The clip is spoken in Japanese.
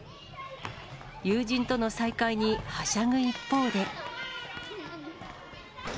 友人との再会にはしゃぐ一方で。